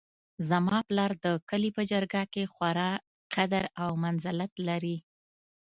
زما پلار د کلي په جرګه کې خورا قدر او منزلت لري